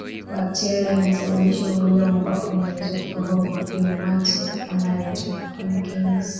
Bakteria anayesababisha ugonjwa wa mapafu anaweza kubebwa kwenye mate yanayotoka kwenye kinyesi cha mnyama